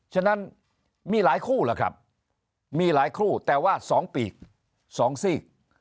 ฉะนั้นมีหลายคู่ล่ะครับมีหลายคู่แต่ว่า๒ปีก๒ซีก